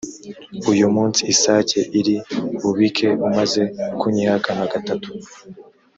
uyumunsi isake iri bubike umaze kunyihakana gatatu.